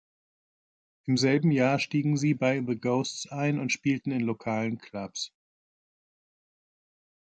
Im selben Jahr stiegen sie bei The Ghosts ein und spielten in lokalen Clubs.